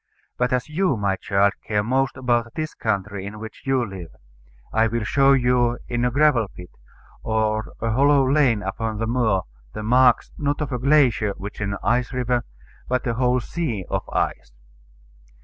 But as you, my child, care most about this country in which you live, I will show you in any gravel pit, or hollow lane upon the moor, the marks, not of a glacier, which is an ice river, but of a whole sea of ice.